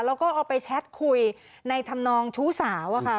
แล้วก็เอาไปแชทคุยในธรรมนองชู้สาวอะค่ะ